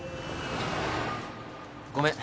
ごめん。